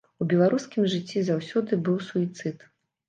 У беларускім жыцці заўсёды быў суіцыд.